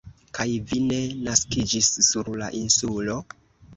Kaj vi ne naskiĝis sur la lnsulo?